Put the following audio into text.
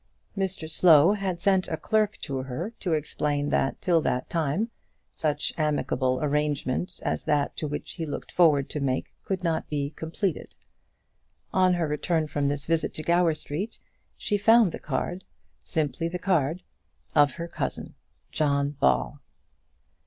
Mr Slow had sent a clerk to her to explain that till that time such amicable arrangement as that to which he looked forward to make could not be completed. On her return from this visit to Gower Street she found the card, simply the card, of her cousin, John Ball.